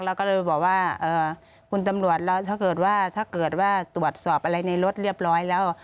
เราก็เลยบอกว่าคุณตำรวจถ้าเกิดว่าตรวจสอบอะไรในรถเรียบร้อยแล้ว